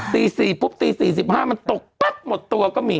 ตี๔ปุ๊บตี๔๕มันตกปั๊บหมดตัวก็มี